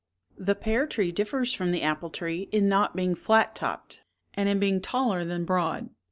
The pear tree differs from the apple tree in not being flat topped, and in being taller than broad.